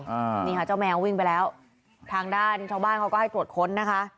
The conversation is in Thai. อ่านี่ค่ะเจ้าแมววิ่งไปแล้วทางด้านชาวบ้านเขาก็ให้ตรวจค้นนะคะ